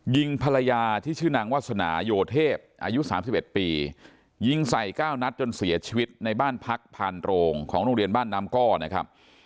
ยิงภรรยาที่ชื่อนางวาสนายโยเทพอายุ๓๑ปียิงใส่๙นัดจนเสียชีวิตในบ้านพักผ่านโรงของโรงเรียนบ้านน้ำก้อนะครับ